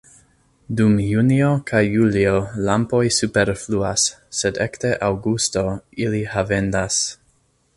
Dum junio kaj julio lampoj superfluas, sed ekde aŭgusto ili havendas.